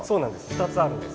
２つあるんです。